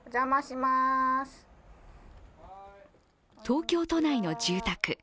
東京都内の住宅。